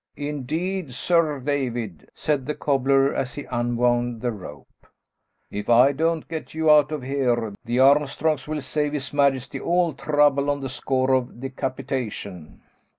"Indeed, Sir David," said the cobbler, as he unwound the rope, "if I don't get you out of here, the Armstrongs will save his majesty all trouble on the score of decapitation."